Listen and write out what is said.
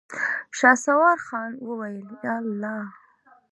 شهسوار خان وويل: ياالله.